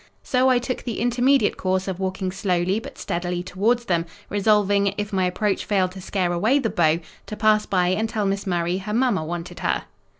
So I took the intermediate course of walking slowly but steadily towards them; resolving, if my approach failed to scare away the beau, to pass by and tell Miss Murray her mamma wanted her.